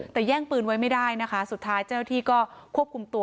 แต่แย่งปืนไว้ไม่ได้นะคะสุดท้ายเจ้าที่ก็ควบคุมตัว